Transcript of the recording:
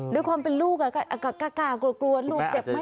ด้วยความเป็นลูกกลัวกลัวลูกเจ็บไม่เจ็บ